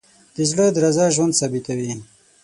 د زړه درزا ژوند ثابتوي.